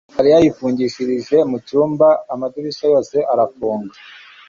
mariya yifungishije mu cyumba, amadirishya yose arafunga